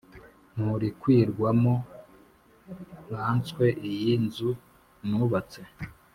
nturikwirwamo nkanswe iyi nzu nubatse!